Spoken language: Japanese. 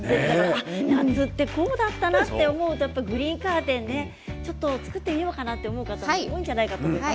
夏って、こうだったなと思うとやっぱりグリーンカーテンちょっと使ってみようかなと思う方も多いんじゃないかと思います。